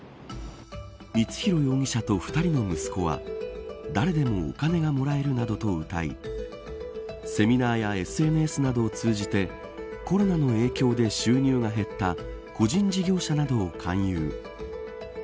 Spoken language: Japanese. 光弘容疑者と２人の息子は誰でもお金がもらえるなどとうたいセミナーやＳＮＳなどを通じてコロナの影響で収入が減った個人事業者などを勧誘。